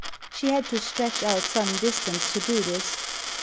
She had to stretch out some distance to do this.